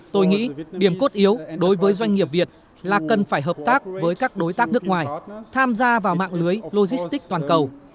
tôi nghĩ điểm cốt yếu đối với doanh nghiệp việt là cần phải hợp tác với các đối tác nước ngoài tham gia vào mạng lưới logistics toàn cầu